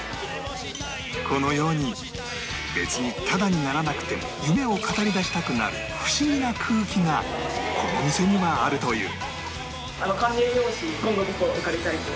このように別にタダにならなくても夢を語りだしたくなる不思議な空気がこの店にはあるという